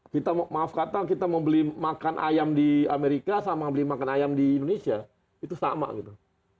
kita maaf kata kita mau beli makan ayam di amerika sama beli makan ayam di indonesia itu sama gitu